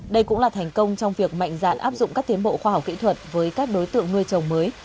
đây cũng là thành công trong việc mạnh dạn áp dụng các tiến bộ khoa học kỹ thuật với các đối tượng nuôi trồng mới